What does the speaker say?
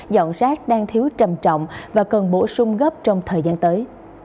dọn rác đang thiếu trầm trọng và cần bổ sung gấp trong thời gian tới